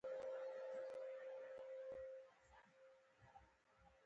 په ټول جهاد کې ګلبدین حکمتیار نازدانه او رهبر فرزانه وو.